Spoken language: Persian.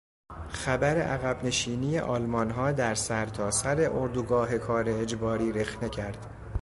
خبر عقب نشینی آلمانها در سر تا سر اردوگاه کار اجباری رخنه کرد.